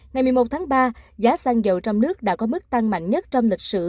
ngày một mươi một tháng ba giá xăng dầu trong nước đã có mức tăng mạnh nhất trong lịch sử